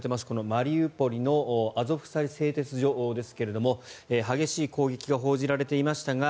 マリウポリのアゾフスタリ製鉄所ですが激しい攻撃が報じられていましたが